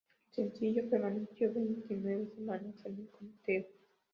El sencillo permaneció veintinueve semanas en el conteo.